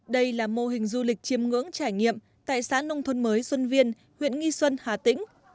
đây là mô hình du lịch chiêm ngưỡng trải nghiệm tại xã nông thôn mới xuân viên huyện nghi xuân hà tĩnh